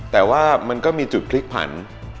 แต่ว่ามันก็มีจุดพลิกผัน